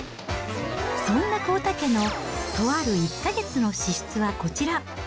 そんな幸田家のとある１か月の支出はこちら。